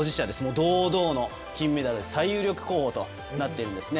堂々の金メダル最有力候補となっています。